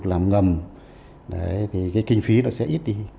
làm ngầm đấy thì cái kinh phí nó sẽ ít đi